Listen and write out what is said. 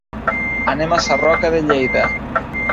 Anem a Sarroca de Lleida.